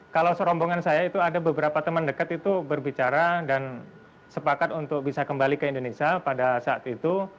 kalau serombongan saya itu ada beberapa teman dekat itu berbicara dan sepakat untuk bisa kembali ke indonesia pada saat itu